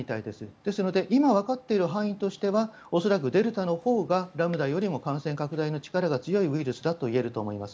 ですので今、わかっている範囲としては恐らくデルタのほうがラムダよりも感染拡大の力が強いウイルスだといえると思います。